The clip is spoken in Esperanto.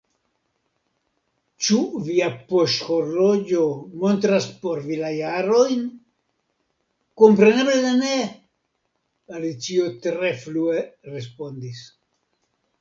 "Ĉu via poŝhorloĝo montras por vi la jarojn?" "Kompreneble ne!" Alicio tre flue respondis.